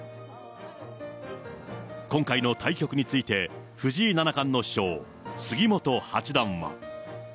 今回の対局について、藤井七冠の師匠、杉本八段は。